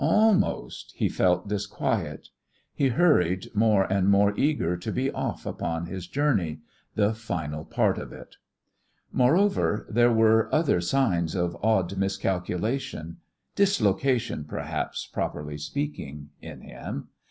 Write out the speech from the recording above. Almost he felt disquiet. He hurried, more and more eager to be off upon his journey the final part of it. Moreover, there were other signs of an odd miscalculation dislocation, perhaps, properly speaking in him.